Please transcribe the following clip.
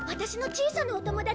小さなお友達？